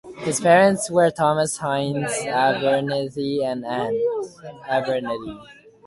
His parents were Thomas Hines Abernethy and Anne (Rast) Abernethy.